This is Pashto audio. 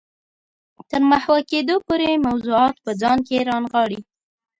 تر محوه کېدو پورې موضوعات په ځان کې رانغاړي.